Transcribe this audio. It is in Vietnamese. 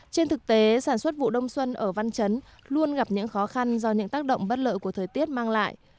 trên thực tế sản xuất vụ đông xuân ở văn chấn luôn gặp những khó khăn do những tác động bất lợi của thời tiết mang lại